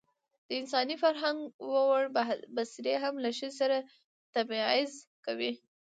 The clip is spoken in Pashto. د انساني فرهنګ ووړ بڅرى هم له ښځې سره تبعيض کوي.